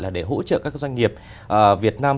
là để hỗ trợ các doanh nghiệp việt nam